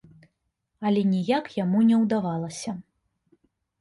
Але ніяк яму не ўдавалася.